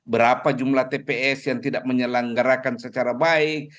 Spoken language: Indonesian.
berapa jumlah tps yang tidak menyelenggarakan secara baik